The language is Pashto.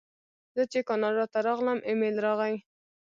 زه چې کاناډا ته راغلم ایمېل راغی.